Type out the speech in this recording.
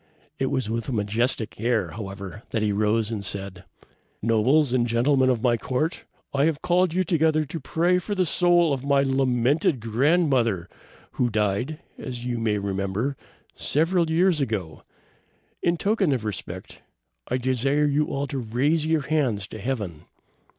It was with a majestic air, however, that he rose and said: "Nobles, and gentlemen of my court! I have called you together to pray for the soul of my lamented grandmother, who died, as you may remember, several years ago. In token of respect, I desire you all to raise your hands to Heaven."